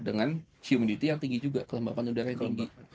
dengan humanity yang tinggi juga kelembapan udara yang tinggi